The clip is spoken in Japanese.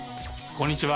こんにちは。